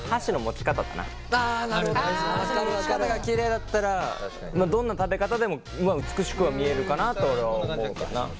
持ち方がキレイだったらどんな食べ方でも美しくは見えるかなって俺は思うかな。